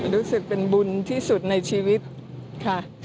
รู้สึกเป็นบุญที่สุดในชีวิตค่ะ